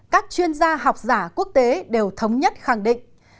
các chuyên gia học giả quốc tế đều thống nhất khẳng định